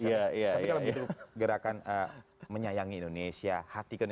tapi kalau begitu gerakan menyayangi indonesia hatiku indonesia